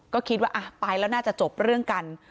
ก็คิดว่าไปแล้วน่าจะจบเรื่องกัน